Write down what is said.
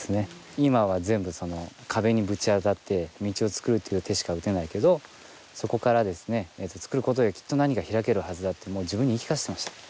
今は全部その壁にぶち当たって道を作るっていう手しか打てないけどそこからですね作ることできっと何か開けるはずだってもう自分に言い聞かせてました。